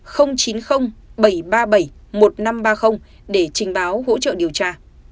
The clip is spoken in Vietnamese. để trình báo hỗ trợ điều tra